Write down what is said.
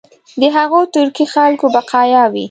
د هغو ترکي خلکو بقایا وي.